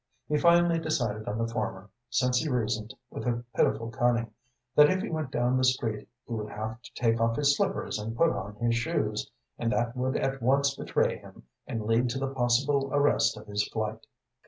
He finally decided on the former, since he reasoned, with a pitiful cunning, that if he went down the street he would have to take off his slippers and put on his shoes, and that would at once betray him and lead to the possible arrest of his flight.